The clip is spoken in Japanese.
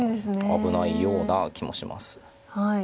危ないような気もします。